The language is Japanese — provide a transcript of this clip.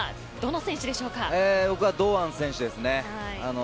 僕は、堂安選手です。